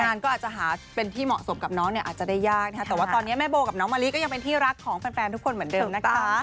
งานก็อาจจะหาเป็นที่เหมาะสมกับน้องเนี่ยอาจจะได้ยากนะคะแต่ว่าตอนนี้แม่โบกับน้องมะลิก็ยังเป็นที่รักของแฟนทุกคนเหมือนเดิมนะคะ